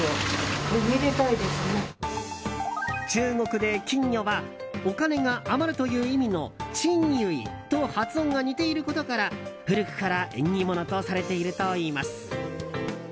中国で金魚はお金が余るという意味のチンユイと発音が似ていることから古くから縁起物とされているといいます。